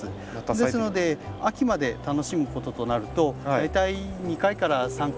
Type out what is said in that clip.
ですので秋まで楽しむこととなると大体２回から３回。